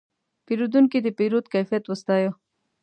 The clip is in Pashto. پیرودونکی د پیرود کیفیت وستایه.